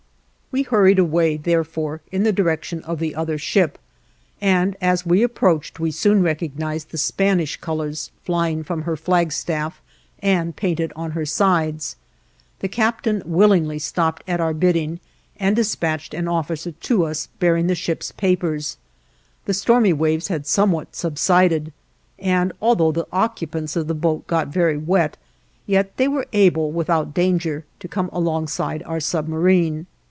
We hurried away, therefore, in the direction of the other ship, and as we approached we soon recognized the Spanish colors flying from her flagstaff and painted on her sides. The captain willingly stopped at our bidding and dispatched an officer to us bearing the ship's papers. The stormy waves had somewhat subsided, and although the occupants of the boat got very wet, yet they were able, without danger, to come alongside our submarine.